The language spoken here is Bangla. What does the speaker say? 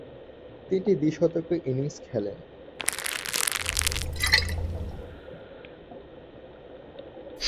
তিনটি দ্বি-শতকের ইনিংস খেলেন।